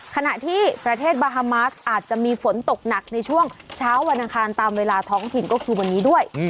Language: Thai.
ขณะที่ประเทศบาฮามาสอาจจะมีฝนตกหนักในช่วงเช้าวันอังคารตามเวลาท้องถิ่นก็คือวันนี้ด้วย